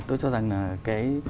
tôi cho rằng là cái